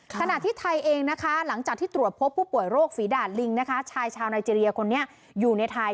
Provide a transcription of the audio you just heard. ขณะที่ไทยเองนะคะหลังจากที่ตรวจพบผู้ป่วยโรคฝีดาดลิงนะคะชายชาวไนเจรียคนนี้อยู่ในไทย